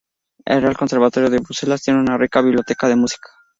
El Real Conservatorio de Bruselas tiene una rica biblioteca de música.